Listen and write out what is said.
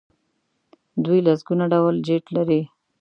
دوی لسګونه ډوله جیټ لري.